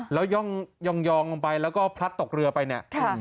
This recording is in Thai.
แล้วย่องลงไปแล้วก็พลัดตกเรือไปเนี่ย